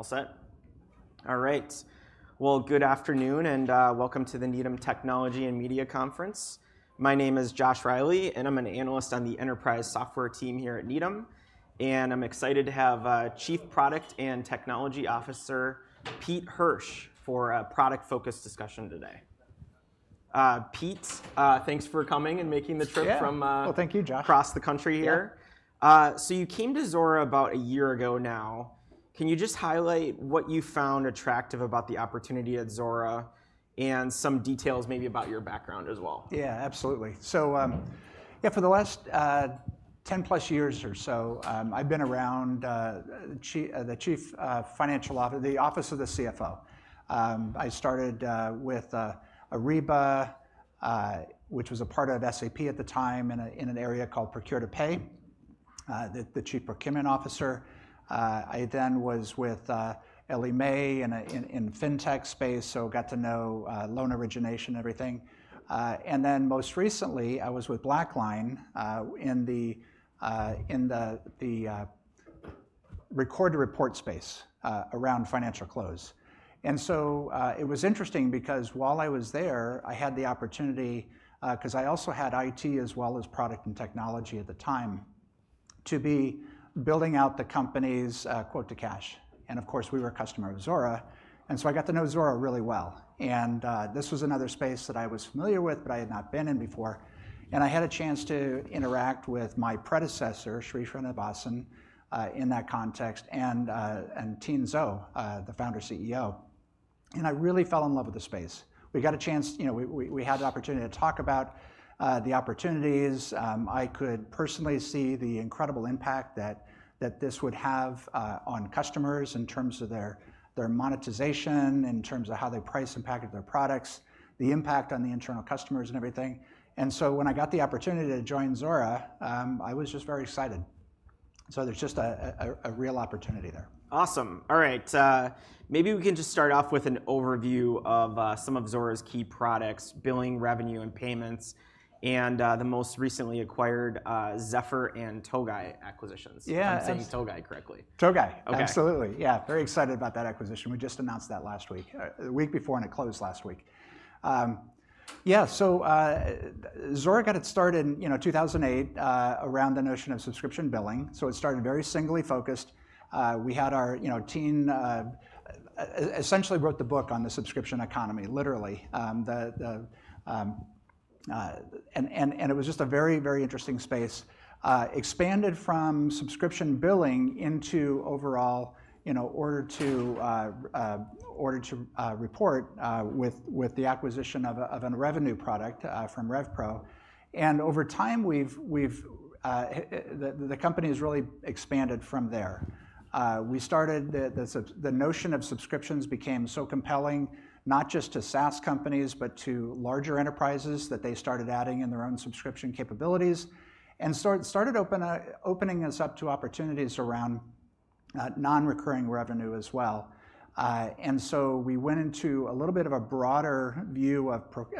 All set? All right. Well, good afternoon and welcome to the Needham Technology and Media Conference. My name is Josh Reilly, and I'm an Analyst on the Enterprise Software team here at Needham. I'm excited to have Chief Product and Technology Officer Pete Hirsch for a product-focused discussion today. Pete, thanks for coming and making the trip from. Yeah. Well, thank you, Josh. Across the country here. So you came to Zuora about a year ago now. Can you just highlight what you found attractive about the opportunity at Zuora, and some details maybe about your background as well? Yeah, absolutely. So yeah, for the last 10+ years or so, I've been around the Chief Financial Officer, the Office of the CFO. I started with Ariba, which was a part of SAP at the time, in an area called Procure-to-Pay, the Chief Procurement Officer. I then was with Ellie Mae in the fintech space, so got to know loan origination, everything. And then most recently, I was with BlackLine in the Record-to-Report space around financial close. And so it was interesting because while I was there, I had the opportunity, because I also had IT as well as product and technology at the time, to be building out the company's Quote-to-Cash. And of course, we were a customer of Zuora. And so I got to know Zuora really well. And this was another space that I was familiar with, but I had not been in before. I had a chance to interact with my predecessor, Sri Srinivasan, in that context, and Tien Tzuo, the founder and CEO. I really fell in love with the space. We got a chance, we had the opportunity to talk about the opportunities. I could personally see the incredible impact that this would have on customers in terms of their monetization, in terms of how they price and package their products, the impact on the internal customers, and everything. So when I got the opportunity to join Zuora, I was just very excited. So there's just a real opportunity there. Awesome. All right. Maybe we can just start off with an overview of some of Zuora's key products, Billing, Revenue, and Payments, and the most recently acquired Zephr and Togai acquisitions. Yeah. I'm saying Togai, correctly? Togai. Absolutely. Yeah. Very excited about that acquisition. We just announced that last week, the week before, and it closed last week. Yeah. So Zuora got it started in 2008 around the notion of subscription Billing. So it started very single-focused. We had our Tien essentially wrote the book on the subscription economy, literally. And it was just a very, very interesting space. Expanded from subscription Billing into overall Order-to-Report with the acquisition of a Revenue product from RevPro. And over time, the company has really expanded from there. The notion of subscriptions became so compelling, not just to SaaS companies, but to larger enterprises, that they started adding in their own subscription capabilities and started opening us up to opportunities around non-recurring Revenue as well. And so we went into a little bit of a broader view of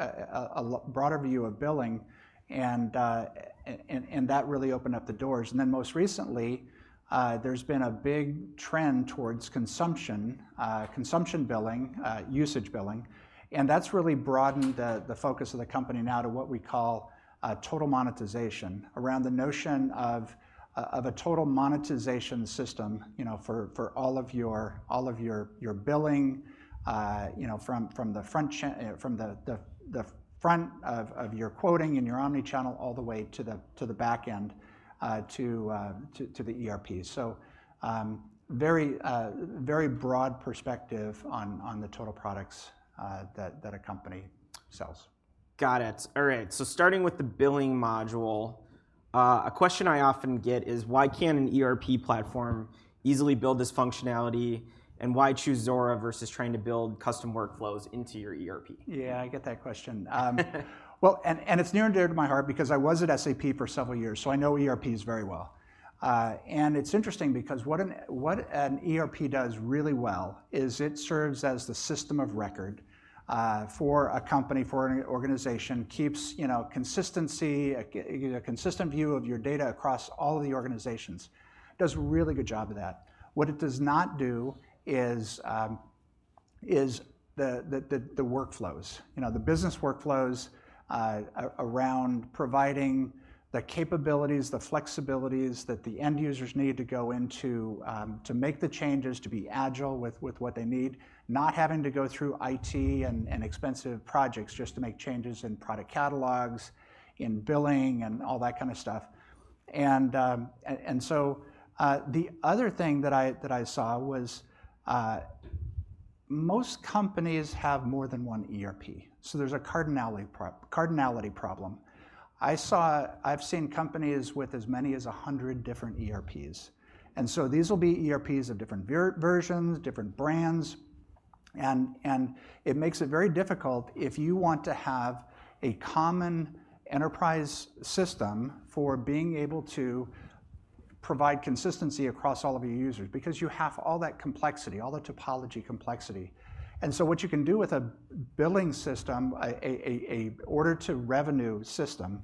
Billing, and that really opened up the doors. And then most recently, there's been a big trend towards consumption billing, usage billing. And that's really broadened the focus of the company now to what we call Total Monetization around the notion of a Total Monetization system for all of your Billing from the front of your quoting and your omnichannel all the way to the back end to the ERP. So very broad perspective on the total products that a company sells. Got it. All right. So starting with the Billing module, a question I often get is, why can an ERP platform easily build this functionality, and why choose Zuora versus trying to build custom workflows into your ERP? Yeah, I get that question. Well, and it's near and dear to my heart because I was at SAP for several years, so I know ERPs very well. It's interesting because what an ERP does really well is it serves as the system of record for a company, for an organization, keeps consistency, a consistent view of your data across all of the organizations, does a really good job of that. What it does not do is the workflows, the business workflows around providing the capabilities, the flexibilities that the end users need to go into to make the changes, to be agile with what they need, not having to go through IT and expensive projects just to make changes in product catalogs, in billing, and all that kind of stuff. The other thing that I saw was most companies have more than one ERP. So there's a cardinality problem. I've seen companies with as many as 100 different ERPs. And so these will be ERPs of different versions, different brands. And it makes it very difficult if you want to have a common enterprise system for being able to provide consistency across all of your users, because you have all that complexity, all the topology complexity. And so what you can do with a Billing system, an Order-to-Revenue system,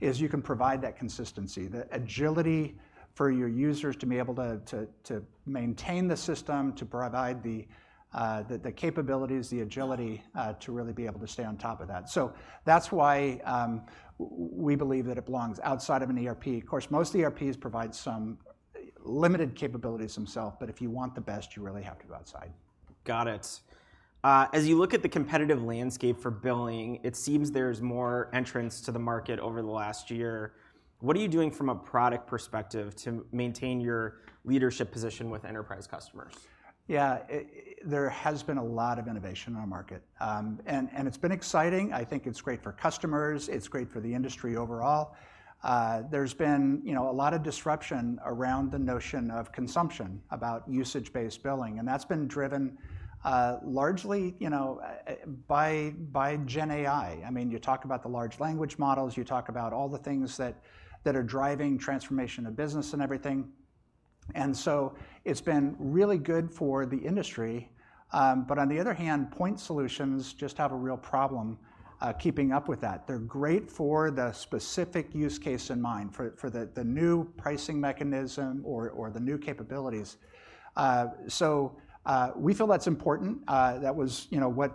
is you can provide that consistency, the agility for your users to be able to maintain the system, to provide the capabilities, the agility to really be able to stay on top of that. So that's why we believe that it belongs outside of an ERP. Of course, most ERPs provide some limited capabilities themselves, but if you want the best, you really have to go outside. Got it. As you look at the competitive landscape for billing, it seems there's more entrance to the market over the last year. What are you doing from a product perspective to maintain your leadership position with enterprise customers? Yeah, there has been a lot of innovation in our market. It's been exciting. I think it's great for customers. It's great for the industry overall. There's been a lot of disruption around the notion of consumption, about usage-based billing. That's been driven largely by GenAI. I mean, you talk about the large language models. You talk about all the things that are driving transformation of business and everything. So it's been really good for the industry. But on the other hand, point solutions just have a real problem keeping up with that. They're great for the specific use case in mind, for the new pricing mechanism or the new capabilities. We feel that's important. That was what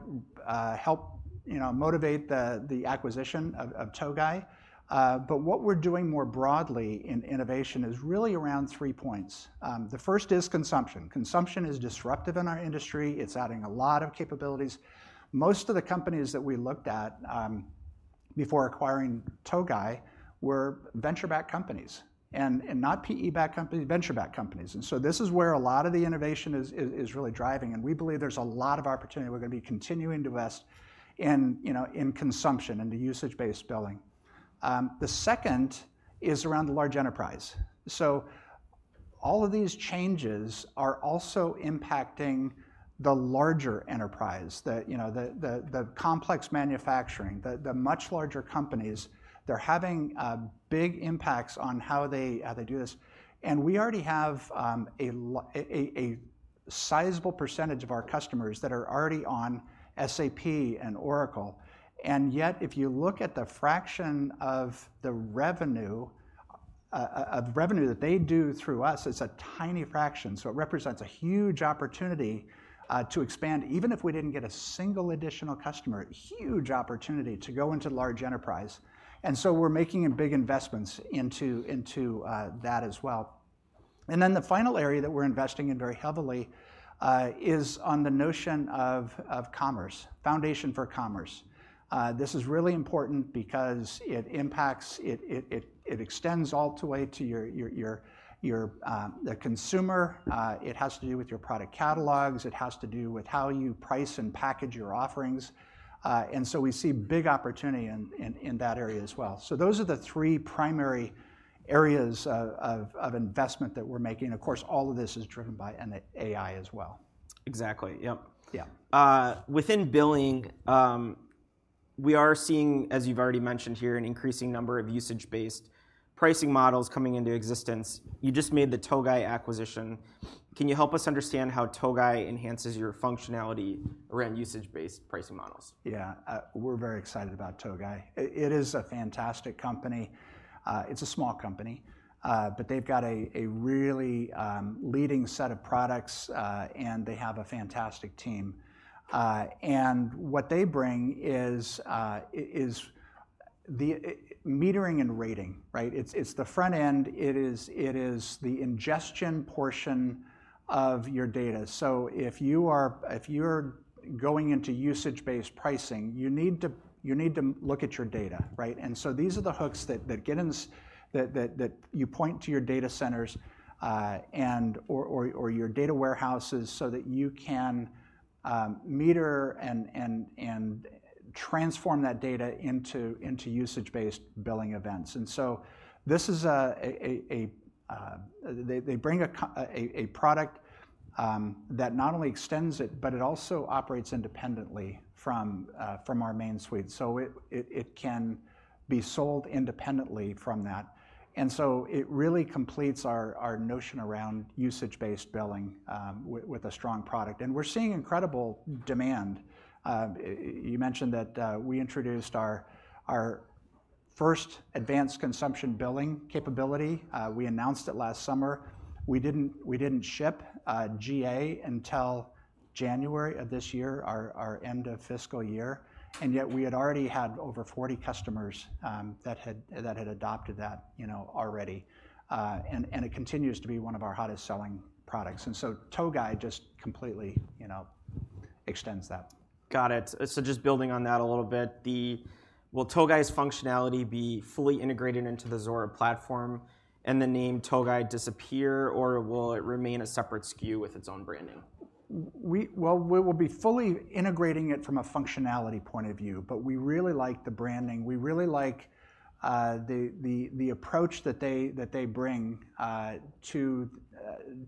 helped motivate the acquisition of Togai. What we're doing more broadly in innovation is really around three points. The first is consumption. Consumption is disruptive in our industry. It's adding a lot of capabilities. Most of the companies that we looked at before acquiring Togai were venture-backed companies and not PE-backed companies, venture-backed companies. And so this is where a lot of the innovation is really driving. And we believe there's a lot of opportunity, we're going to be continuing to invest in consumption and the usage-based billing. The second is around the large enterprise. So all of these changes are also impacting the larger enterprise, the complex manufacturing, the much larger companies. They're having big impacts on how they do this. And we already have a sizable percentage of our customers that are already on SAP and Oracle. And yet, if you look at the fraction of the revenue that they do through us, it's a tiny fraction. So it represents a huge opportunity to expand, even if we didn't get a single additional customer, a huge opportunity to go into the large enterprise. And so we're making big investments into that as well. And then the final area that we're investing in very heavily is on the notion of commerce, foundation for commerce. This is really important because it extends all the way to the consumer. It has to do with your product catalogs. It has to do with how you price and package your offerings. And so we see big opportunity in that area as well. So those are the three primary areas of investment that we're making. Of course, all of this is driven by AI as well. Exactly. Yep. Within billing, we are seeing, as you've already mentioned here, an increasing number of usage-based pricing models coming into existence. You just made the Togai acquisition. Can you help us understand how Togai enhances your functionality around usage-based pricing models? Yeah. We're very excited about Togai. It is a fantastic company. It's a small company, but they've got a really leading set of products, and they have a fantastic team. And what they bring is the metering and rating, right? It's the front end. It is the ingestion portion of your data. So if you are going into usage-based pricing, you need to look at your data, right? And so these are the hooks that you point to your data centers or your data warehouses so that you can meter and transform that data into usage-based billing events. And so they bring a product that not only extends it, but it also operates independently from our main suite. So it can be sold independently from that. And so it really completes our notion around usage-based billing with a strong product. And we're seeing incredible demand. You mentioned that we introduced our first advanced Consumption Billing capability. We announced it last summer. We didn't ship GA until January of this year, our end of fiscal year. And yet, we had already had over 40 customers that had adopted that already. And it continues to be one of our hottest-selling products. And so Togai just completely extends that. Got it. So, just building on that a little bit, will Togai's functionality be fully integrated into the Zuora platform and the name Togai disappear, or will it remain a separate SKU with its own branding? Well, we will be fully integrating it from a functionality point of view, but we really like the branding. We really like the approach that they bring to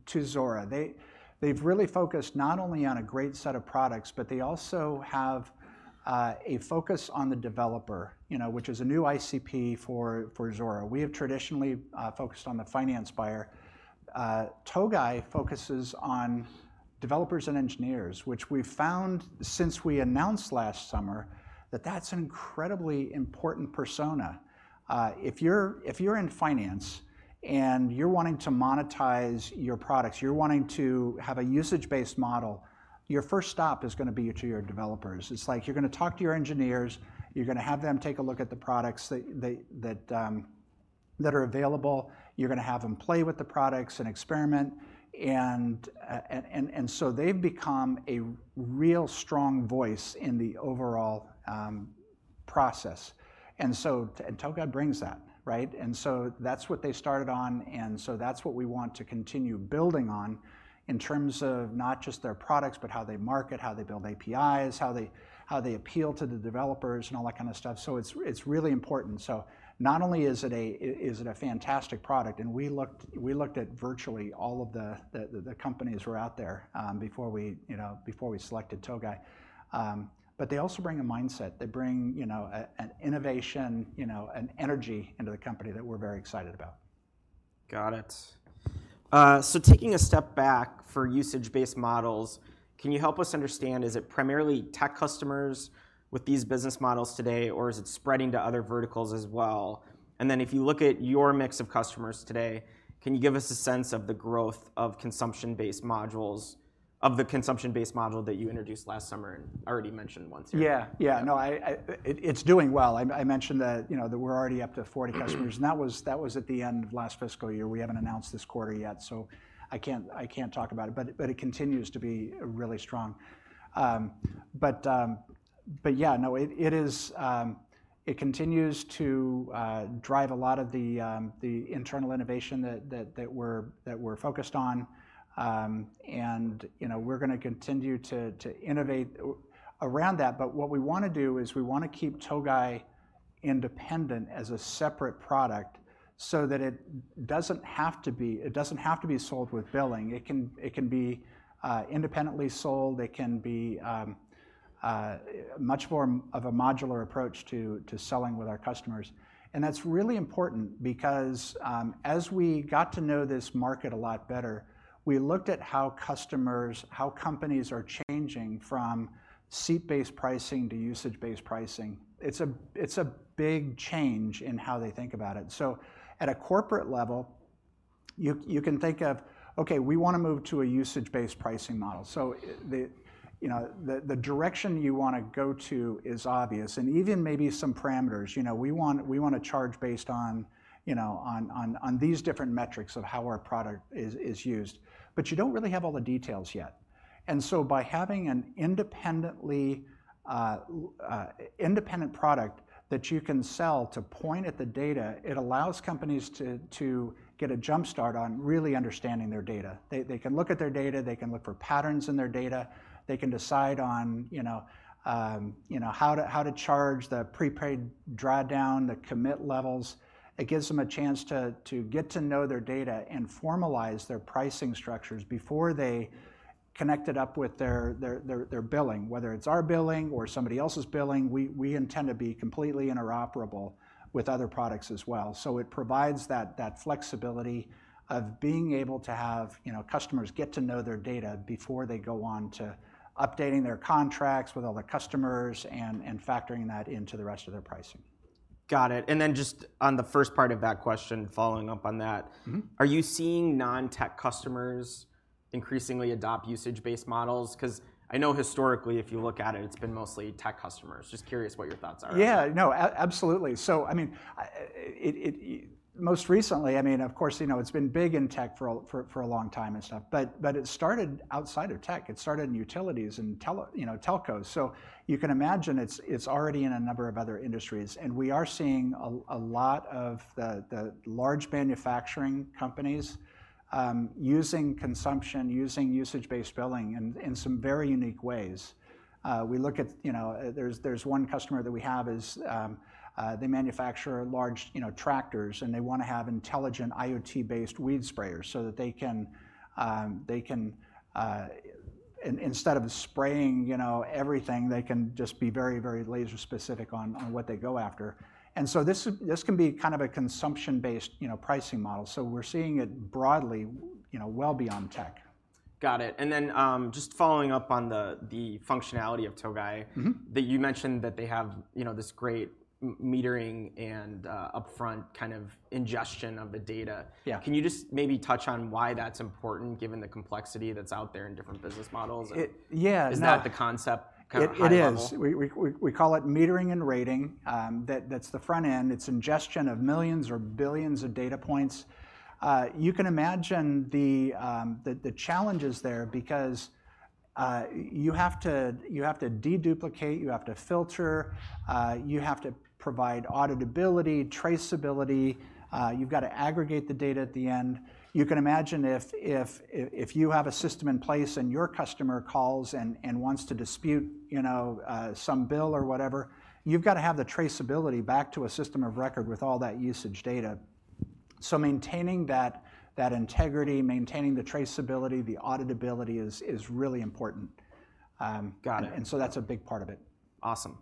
Zuora. They've really focused not only on a great set of products, but they also have a focus on the developer, which is a new ICP for Zuora. We have traditionally focused on the finance buyer. Togai focuses on developers and engineers, which we've found since we announced last summer that that's an incredibly important persona. If you're in finance and you're wanting to monetize your products, you're wanting to have a usage-based model, your first stop is going to be to your developers. It's like you're going to talk to your engineers. You're going to have them take a look at the products that are available. You're going to have them play with the products and experiment. And so they've become a real strong voice in the overall process. And Togai brings that, right? And so that's what they started on. And so that's what we want to continue building on in terms of not just their products, but how they market, how they build APIs, how they appeal to the developers, and all that kind of stuff. So it's really important. So not only is it a fantastic product, and we looked at virtually all of the companies who were out there before we selected Togai, but they also bring a mindset. They bring innovation and energy into the company that we're very excited about. Got it. So, taking a step back for usage-based models, can you help us understand is it primarily tech customers with these business models today, or is it spreading to other verticals as well? And then, if you look at your mix of customers today, can you give us a sense of the growth of the consumption-based module that you introduced last summer and already mentioned once here? Yeah. Yeah. No, it's doing well. I mentioned that we're already up to 40 customers. And that was at the end of last fiscal year. We haven't announced this quarter yet, so I can't talk about it. But it continues to be really strong. But yeah, no, it continues to drive a lot of the internal innovation that we're focused on. And we're going to continue to innovate around that. But what we want to do is we want to keep Togai independent as a separate product so that it doesn't have to be sold with Billing. It can be independently sold. It can be much more of a modular approach to selling with our customers. And that's really important because as we got to know this market a lot better, we looked at how companies are changing from seat-based pricing to usage-based pricing. It's a big change in how they think about it. So at a corporate level, you can think of, "Okay, we want to move to a usage-based pricing model." So the direction you want to go to is obvious, and even maybe some parameters. We want to charge based on these different metrics of how our product is used. But you don't really have all the details yet. And so by having an independent product that you can sell to point at the data, it allows companies to get a jumpstart on really understanding their data. They can look at their data. They can look for patterns in their data. They can decide on how to charge the prepaid drawdown, the commit levels. It gives them a chance to get to know their data and formalize their pricing structures before they connect it up with their Billing. Whether it's our Billing or somebody else's billing, we intend to be completely interoperable with other products as well. So it provides that flexibility of being able to have customers get to know their data before they go on to updating their contracts with all the customers and factoring that into the rest of their pricing. Got it. And then just on the first part of that question, following up on that, are you seeing non-tech customers increasingly adopt usage-based models? Because I know historically, if you look at it, it's been mostly tech customers. Just curious what your thoughts are. Yeah. No, absolutely. So I mean, most recently, I mean, of course, it's been big in tech for a long time and stuff, but it started outside of tech. It started in utilities and telcos. So you can imagine it's already in a number of other industries. And we are seeing a lot of the large manufacturing companies using consumption, using usage-based billing in some very unique ways. There's one customer that we have. They manufacture large tractors, and they want to have intelligent IoT-based weed sprayers so that instead of spraying everything, they can just be very, very laser-specific on what they go after. And so this can be kind of a consumption-based pricing model. So we're seeing it broadly, well beyond tech. Got it. And then just following up on the functionality of Togai, you mentioned that they have this great metering and upfront kind of ingestion of the data. Can you just maybe touch on why that's important, given the complexity that's out there in different business models? Is that the concept kind of high-level? It is. We call it metering and rating. That's the front end. It's ingestion of millions or billions of data points. You can imagine the challenges there because you have to deduplicate. You have to filter. You have to provide auditability, traceability. You've got to aggregate the data at the end. You can imagine if you have a system in place and your customer calls and wants to dispute some bill or whatever, you've got to have the traceability back to a system of record with all that usage data. So maintaining that integrity, maintaining the traceability, the auditability is really important. And so that's a big part of it. Awesome.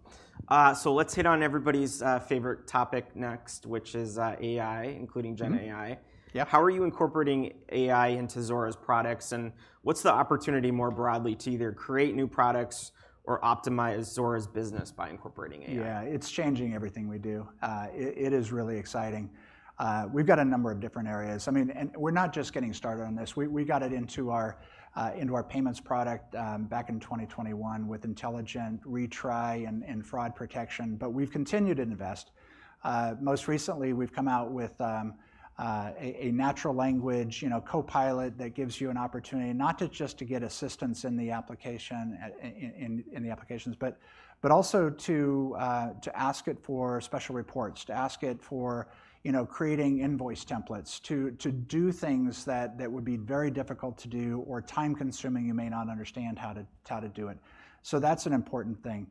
So let's hit on everybody's favorite topic next, which is AI, including GenAI. How are you incorporating AI into Zuora's products? And what's the opportunity more broadly to either create new products or optimize Zuora's business by incorporating AI? Yeah. It's changing everything we do. It is really exciting. We've got a number of different areas. I mean, we're not just getting started on this. We got it into our Payments product back in 2021 with intelligent retry and fraud protection. We've continued to invest. Most recently, we've come out with a natural language Copilot that gives you an opportunity not just to get assistance in the applications, but also to ask it for special reports, to ask it for creating invoice templates, to do things that would be very difficult to do or time-consuming. You may not understand how to do it. That's an important thing.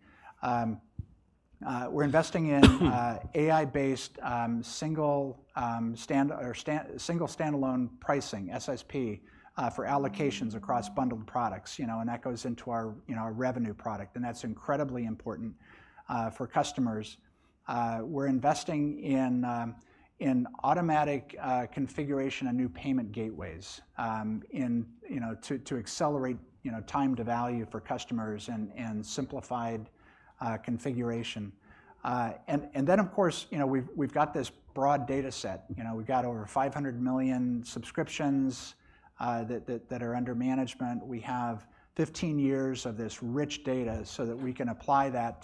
We're investing in AI-based single standalone pricing, SSP, for allocations across bundled products. That goes into our Revenue product. That's incredibly important for customers. We're investing in automatic configuration and new payment gateways to accelerate time to value for customers and simplified configuration. And then, of course, we've got this broad data set. We've got over 500 million subscriptions that are under management. We have 15 years of this rich data, so that we can apply that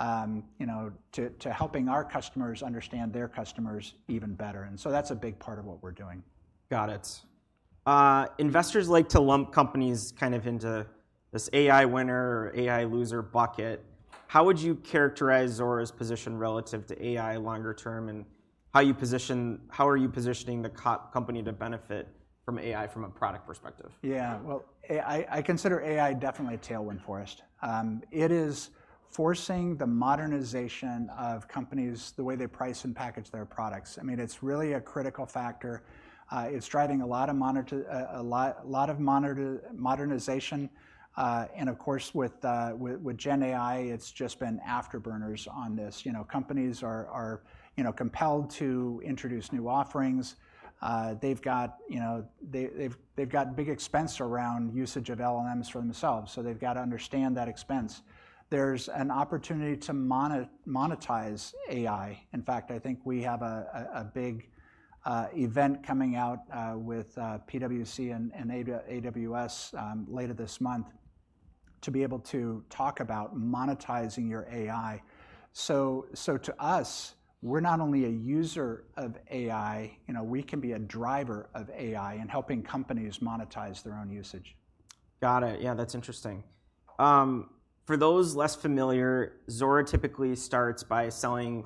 to helping our customers understand their customers even better. And so that's a big part of what we're doing. Got it. Investors like to lump companies kind of into this AI winner or AI loser bucket. How would you characterize Zuora's position relative to AI longer term, and how are you positioning the company to benefit from AI from a product perspective? Yeah. Well, I consider AI definitely a tailwind for us. It is forcing the modernization of companies, the way they price and package their products. I mean, it's really a critical factor. It's driving a lot of modernization. And of course, with GenAI, it's just been afterburners on this. Companies are compelled to introduce new offerings. They've got big expense around usage of LLMs for themselves. So they've got to understand that expense. There's an opportunity to monetize AI. In fact, I think we have a big event coming up with PwC and AWS later this month to be able to talk about monetizing your AI. So, to us, we're not only a user of AI. We can be a driver of AI in helping companies monetize their own usage. Got it. Yeah. That's interesting. For those less familiar, Zuora typically starts by selling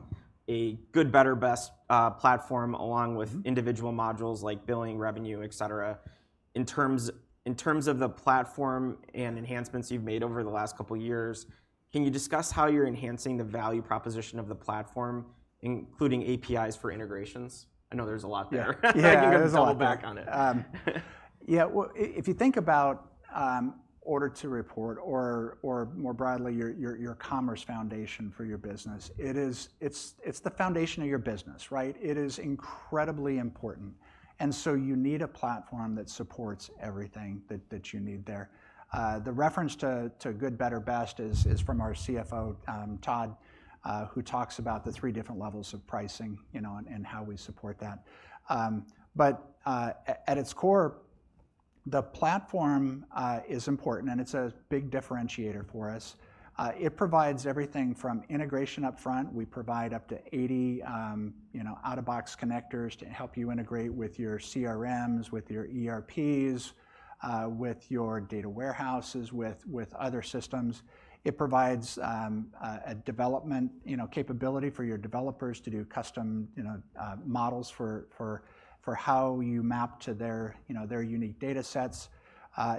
a good, better, best platform along with individual modules like billing, revenue, etc. In terms of the platform and enhancements you've made over the last couple of years, can you discuss how you're enhancing the value proposition of the platform, including APIs for integrations? I know there's a lot there. I can go back on it. Yeah. Well, if you think about Order-to-Report or more broadly, your commerce foundation for your business, it's the foundation of your business, right? It is incredibly important. And so you need a platform that supports everything that you need there. The reference to good, better, best is from our CFO, Todd, who talks about the three different levels of pricing and how we support that. But at its core, the platform is important, and it's a big differentiator for us. It provides everything from integration upfront. We provide up to 80 out-of-the-box connectors to help you integrate with your CRMs, with your ERPs, with your data warehouses, with other systems. It provides a development capability for your developers to do custom models for how you map to their unique data sets.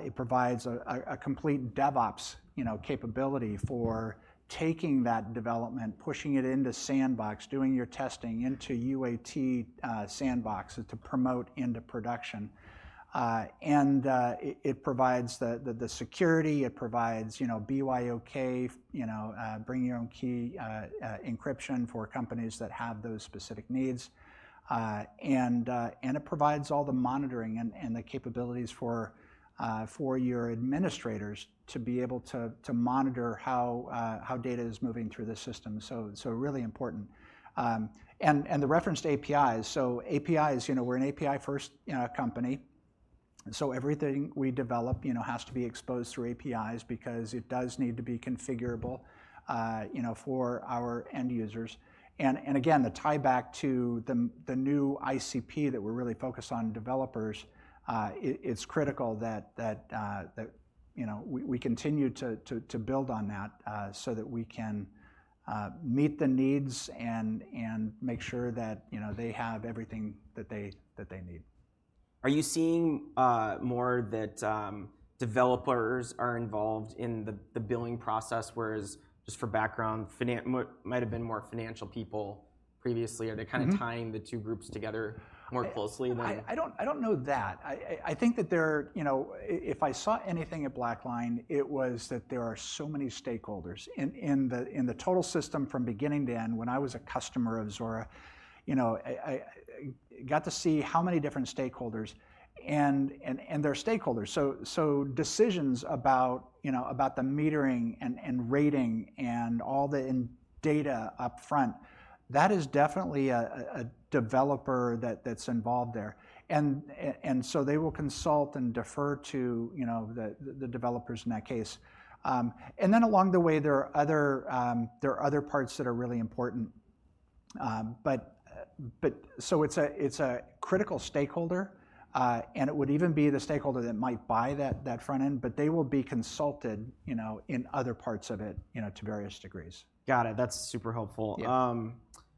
It provides a complete DevOps capability for taking that development, pushing it into sandbox, doing your testing into UAT sandboxes to promote into production. It provides the security. It provides BYOK, bring-your-own-key encryption for companies that have those specific needs. It provides all the monitoring and the capabilities for your administrators to be able to monitor how data is moving through the system. So really important. And the referenced APIs. So APIs, we're an API-first company. So everything we develop has to be exposed through APIs because it does need to be configurable for our end users. And again, the tieback to the new ICP that we're really focused on developers, it's critical that we continue to build on that so that we can meet the needs and make sure that they have everything that they need. Are you seeing more that developers are involved in the Billing process, whereas just for background, it might have been more financial people previously? Are they kind of tying the two groups together more closely than? I don't know that. I think that if I saw anything at BlackLine, it was that there are so many stakeholders. In the total system from beginning to end, when I was a customer of Zuora, I got to see how many different stakeholders and their stakeholders. So decisions about the metering and rating and all the data upfront, that is definitely a developer that's involved there. And so they will consult and defer to the developers in that case. And then along the way, there are other parts that are really important. So it's a critical stakeholder, and it would even be the stakeholder that might buy that front end. But they will be consulted in other parts of it to various degrees. Got it. That's super helpful.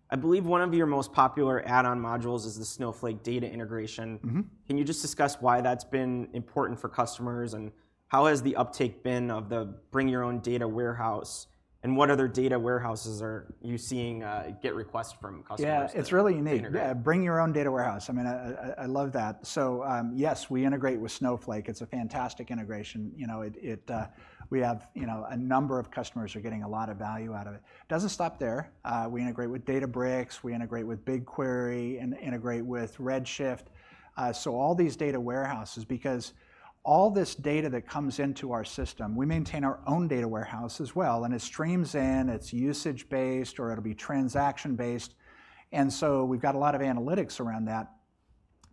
I believe one of your most popular add-on modules is the Snowflake data integration. Can you just discuss why that's been important for customers? And how has the uptake been of the bring-your-own-data warehouse? And what other data warehouses are you seeing get requests from customers? Yeah. It's really unique. Yeah. Bring-your-own-data warehouse. I mean, I love that. So yes, we integrate with Snowflake. It's a fantastic integration. We have a number of customers who are getting a lot of value out of it. It doesn't stop there. We integrate with Databricks. We integrate with BigQuery and integrate with Redshift. So all these data warehouses, because all this data that comes into our system, we maintain our own data warehouse as well. And it streams in. It's usage-based, or it'll be transaction-based. And so we've got a lot of analytics around that.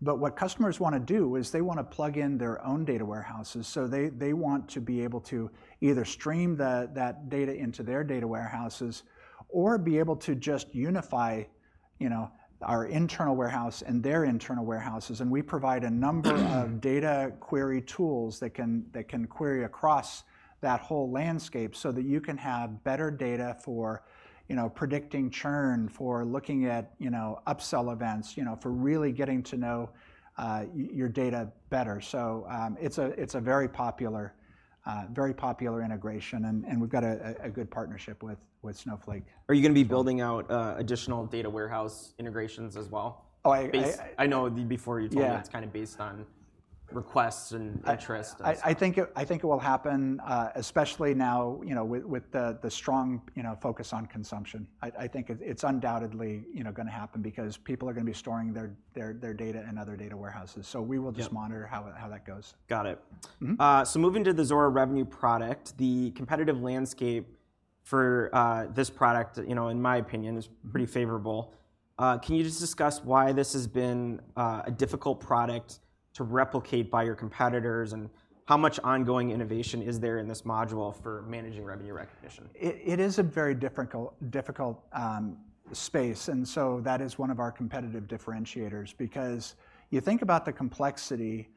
But what customers want to do is they want to plug in their own data warehouses. So they want to be able to either stream that data into their data warehouses or be able to just unify our internal warehouse and their internal warehouses. We provide a number of data query tools that can query across that whole landscape so that you can have better data for predicting churn, for looking at upsell events, for really getting to know your data better. It's a very popular integration. We've got a good partnership with Snowflake. Are you going to be building out additional data warehouse integrations as well? I know before you told me it's kind of based on requests and interest. I think it will happen, especially now with the strong focus on consumption. I think it's undoubtedly going to happen because people are going to be storing their data in other data warehouses. So we will just monitor how that goes. Got it. So moving to the Zuora Revenue product, the competitive landscape for this product, in my opinion, is pretty favorable. Can you just discuss why this has been a difficult product to replicate by your competitors? And how much ongoing innovation is there in this module for managing revenue recognition? It is a very difficult space. That is one of our competitive differentiators because you think about the complexity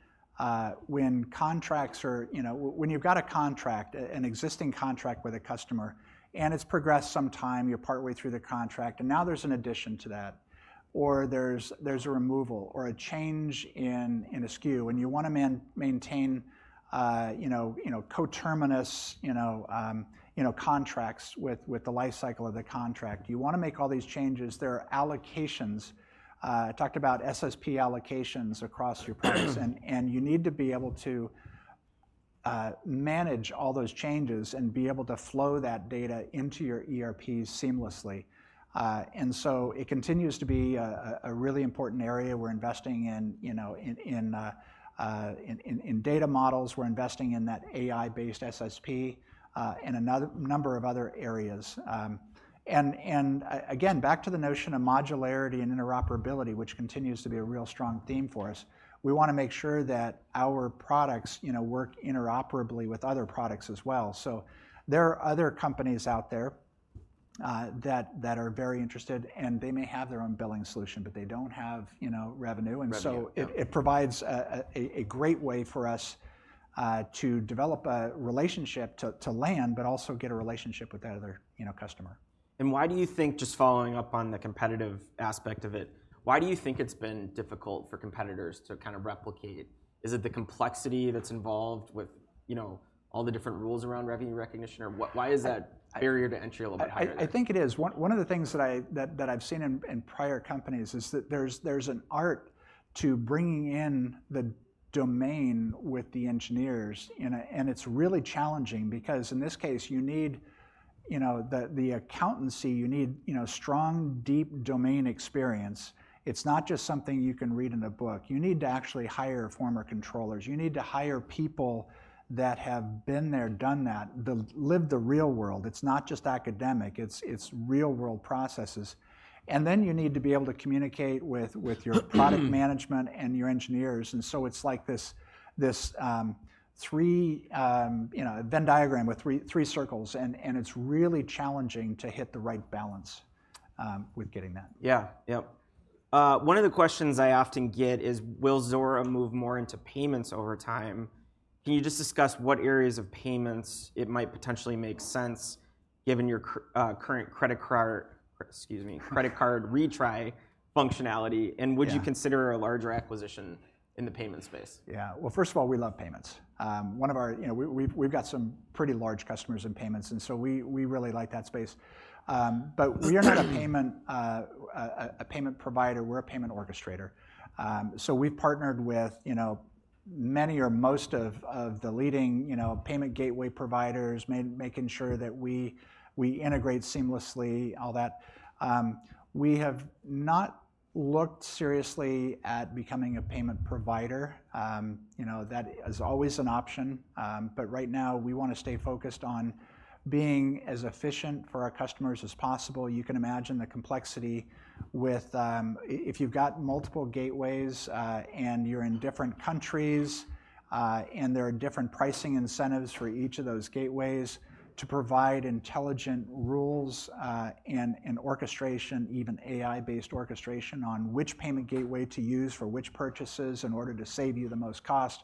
when you've got an existing contract with a customer, and it's progressed some time, you're partway through the contract, and now there's an addition to that, or there's a removal or a change in a SKU, and you want to maintain coterminous contracts with the lifecycle of the contract, you want to make all these changes. There are allocations. I talked about SSP allocations across your products. You need to be able to manage all those changes and be able to flow that data into your ERPs seamlessly. It continues to be a really important area. We're investing in data models. We're investing in that AI-based SSP and a number of other areas. And again, back to the notion of modularity and interoperability, which continues to be a real strong theme for us, we want to make sure that our products work interoperably with other products as well. So there are other companies out there that are very interested. And they may have their own Billing solution, but they don't have revenue. And so it provides a great way for us to develop a relationship to land, but also get a relationship with that other customer. Why do you think just following up on the competitive aspect of it, why do you think it's been difficult for competitors to kind of replicate? Is it the complexity that's involved with all the different rules around revenue recognition? Or why is that barrier to entry a little bit higher? I think it is. One of the things that I've seen in prior companies is that there's an art to bringing in the domain with the engineers. And it's really challenging because in this case, you need the accountancy. You need strong, deep domain experience. It's not just something you can read in a book. You need to actually hire former controllers. You need to hire people that have been there, done that, lived the real world. It's not just academic. It's real-world processes. And then you need to be able to communicate with your product management and your engineers. And so it's like this Venn diagram with three circles. And it's really challenging to hit the right balance with getting that. One of the questions I often get is, will Zuora move more into Payments over time? Can you just discuss what areas of Payments it might potentially make sense, given your current credit card retry functionality? And would you consider a larger acquisition in the payment space? Yeah. Well, first of all, we love Payments. We've got some pretty large customers in Payments. And so we really like that space. But we are not a payment provider. We're a payment orchestrator. So we've partnered with many or most of the leading payment gateway providers, making sure that we integrate seamlessly, all that. We have not looked seriously at becoming a payment provider. That is always an option. But right now, we want to stay focused on being as efficient for our customers as possible. You can imagine the complexity with if you've got multiple gateways, and you're in different countries, and there are different pricing incentives for each of those gateways to provide intelligent rules and orchestration, even AI-based orchestration, on which payment gateway to use for which purchases in order to save you the most cost.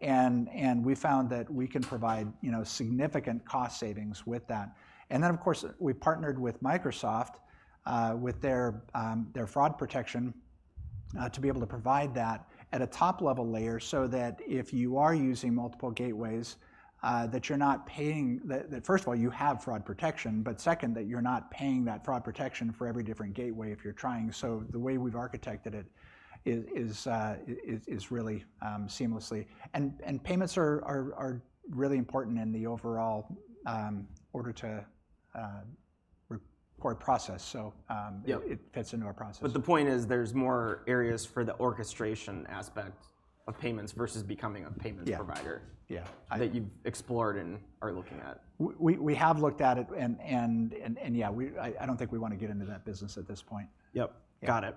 And we found that we can provide significant cost savings with that. And then, of course, we partnered with Microsoft with their fraud protection to be able to provide that at a top-level layer, so that if you are using multiple gateways, that you're not paying that first of all, you have fraud protection. But second, that you're not paying that fraud protection for every different gateway if you're trying. So the way we've architected it is really seamlessly. And Payments are really important in the overall Order-to-Report process. So it fits into our process. But the point is, there's more areas for the orchestration aspect of Payments versus becoming a Payments provider that you've explored and are looking at. We have looked at it. Yeah, I don't think we want to get into that business at this point. Yep. Got it.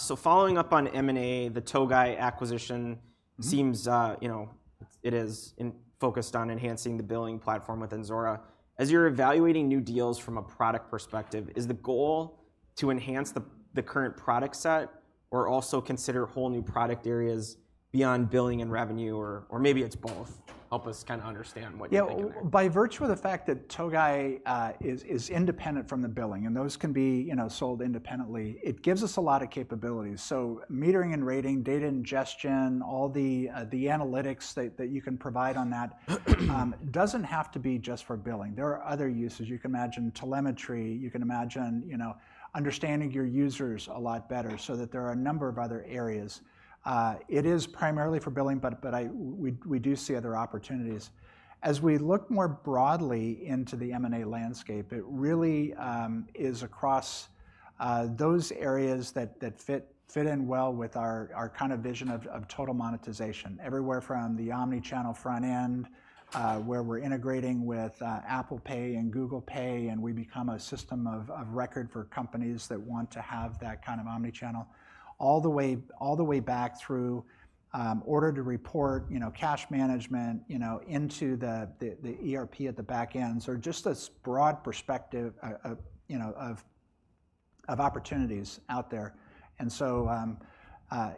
So, following up on M&A, the Togai acquisition, it is focused on enhancing the Billing platform within Zuora. As you're evaluating new deals from a product perspective, is the goal to enhance the current product set or also consider whole new product areas beyond Billing and Revenue? Or maybe it's both. Help us kind of understand what you think in that. Yeah. By virtue of the fact that Togai is independent from the billing, and those can be sold independently, it gives us a lot of capabilities. So metering and rating, data ingestion, all the analytics that you can provide on that doesn't have to be just for Billing. There are other uses. You can imagine telemetry. You can imagine understanding your users a lot better, so that there are a number of other areas. It is primarily for billing, but we do see other opportunities. As we look more broadly into the M&A landscape, it really is across those areas that fit in well with our kind of vision of Total Monetization, everywhere from the omnichannel front end where we're integrating with Apple Pay and Google Pay, and we become a system of record for companies that want to have that kind of omnichannel, all the way back through Order-to-Report, cash management into the ERP at the back ends, or just this broad perspective of opportunities out there. And so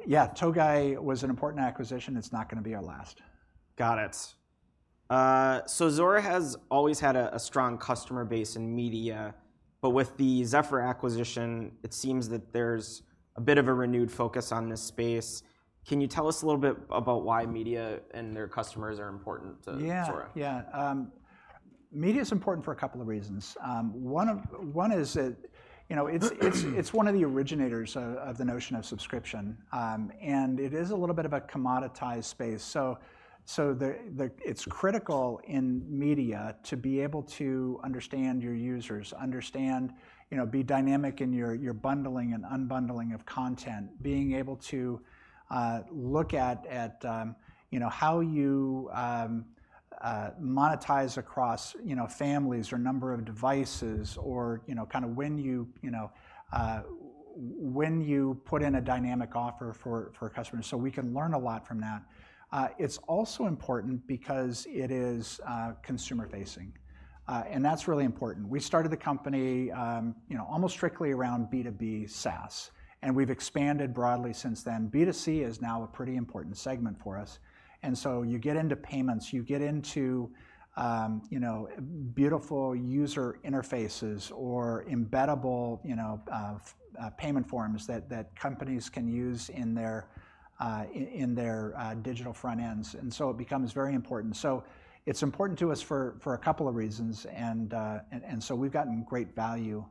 yeah, Togai was an important acquisition. It's not going to be our last. Got it. So Zuora has always had a strong customer base in media. But with the Zephr acquisition, it seems that there's a bit of a renewed focus on this space. Can you tell us a little bit about why media and their customers are important to Zuora? Yeah. Yeah. Media is important for a couple of reasons. One is that it's one of the originators of the notion of subscription. It is a little bit of a commoditized space. So it's critical in media to be able to understand your users, be dynamic in your bundling and unbundling of content, being able to look at how you monetize across families, or number of devices, or kind of when you put in a dynamic offer for customers. So we can learn a lot from that. It's also important because it is consumer-facing. That's really important. We started the company almost strictly around B2B SaaS. We've expanded broadly since then. B2C is now a pretty important segment for us. So you get into Payments. You get into beautiful user interfaces or embeddable payment forms that companies can use in their digital front ends. It becomes very important. It's important to us for a couple of reasons. We've gotten great value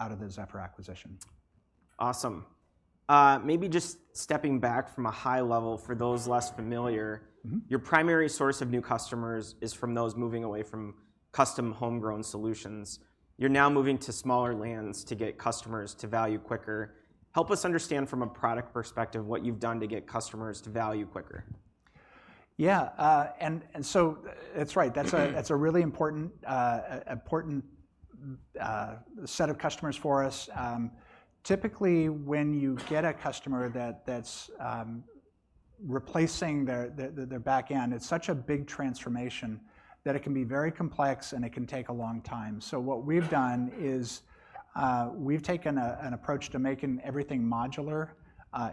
out of the Zephr acquisition. Awesome. Maybe just stepping back from a high level for those less familiar, your primary source of new customers is from those moving away from custom homegrown solutions. You're now moving to smaller lands to get customers to value quicker. Help us understand from a product perspective what you've done to get customers to value quicker? Yeah. And so that's right. That's a really important set of customers for us. Typically, when you get a customer that's replacing their back end, it's such a big transformation that it can be very complex, and it can take a long time. So what we've done is we've taken an approach to making everything modular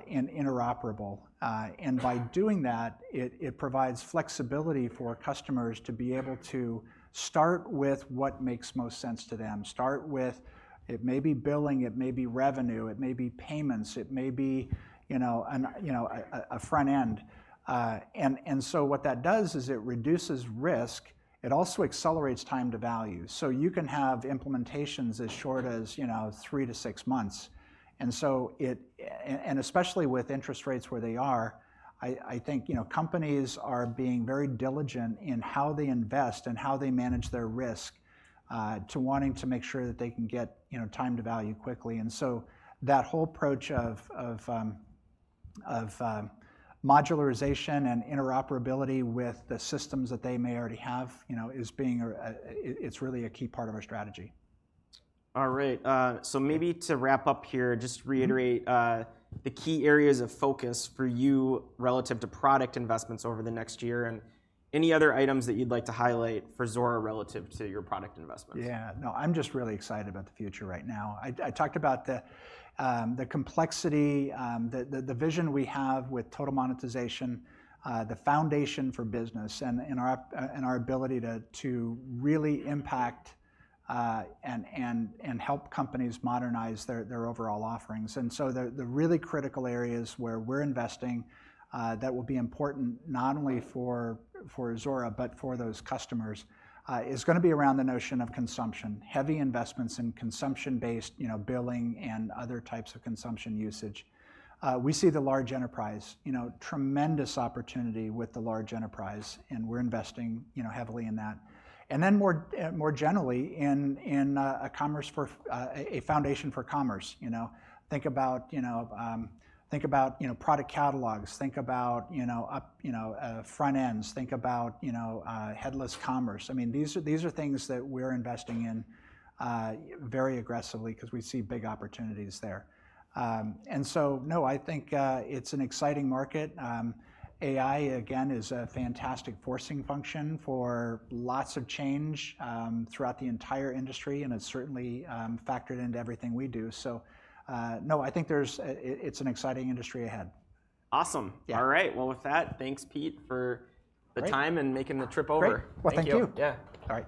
and interoperable. And by doing that, it provides flexibility for customers to be able to start with what makes most sense to them, start with it, may be billing, it may be revenue, it may be Payments, it may be a front end. And so what that does is it reduces risk. It also accelerates time to value. So you can have implementations as short as 3-6 months. Especially with interest rates where they are, I think companies are being very diligent in how they invest and how they manage their risk, to wanting to make sure that they can get time to value quickly. And so that whole approach of modularization and interoperability with the systems that they may already have is really a key part of our strategy. All right. Maybe to wrap up here, just reiterate the key areas of focus for you relative to product investments over the next year and any other items that you'd like to highlight for Zuora relative to your product investments. Yeah. No, I'm just really excited about the future right now. I talked about the complexity, the vision we have with Total Monetization, the foundation for business, and our ability to really impact and help companies modernize their overall offerings. And so the really critical areas where we're investing that will be important not only for Zuora, but for those customers is going to be around the notion of consumption, heavy investments in consumption-based billing, and other types of consumption usage. We see the large enterprise, tremendous opportunity with the large enterprise. And we're investing heavily in that. And then more generally, in a foundation for commerce. Think about product catalogs. Think about front ends. Think about headless commerce. I mean, these are things that we're investing in very aggressively because we see big opportunities there. And so no, I think it's an exciting market. AI, again, is a fantastic forcing function for lots of change throughout the entire industry. It's certainly factored into everything we do. No, I think it's an exciting industry ahead. Awesome. All right. Well, with that, thanks, Pete, for the time and making the trip over. Great. Well, thank you. Yeah. All right.